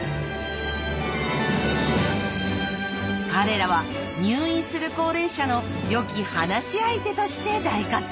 彼らは入院する高齢者のよき話し相手として大活躍。